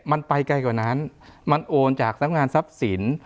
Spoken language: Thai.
มันไปไกลกว่านั้นมันโอนจากสำงานทรัพย์สิน